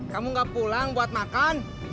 kamu gak pulang buat makan